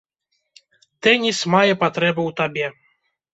Тэніс мае патрэбу ў табе.